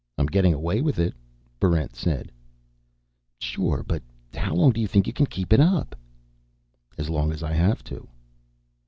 "I'm getting away with it," Barrent said. "Sure. But how long do you think you can keep it up?" "As long as I have to."